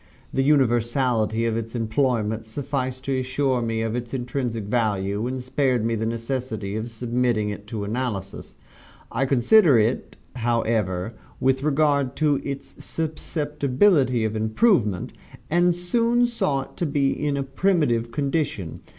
The universality of its employment sufficed to assure me of its intrinsic value, and spared me the necessity of submitting it to analysis. I considered it, however, with regard to its susceptibility of improvement, and soon saw it to be in a primitive condition.